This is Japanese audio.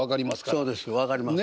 そうです分かります。